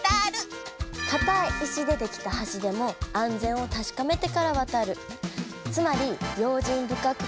「かたい石でできた橋でもあんぜんをたしかめてからわたる」。